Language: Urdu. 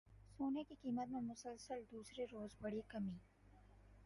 سونے کی قیمت میں مسلسل دوسرے روز بڑی کمی